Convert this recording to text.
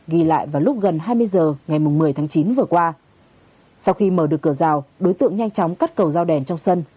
ghi lại vào lúc gần hai mươi h ngày một mươi tháng chín vừa qua sau khi mở được cửa rào đối tượng nhanh chóng cắt cầu dao đèn trong sân